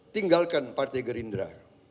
tinggalkan partai gerindra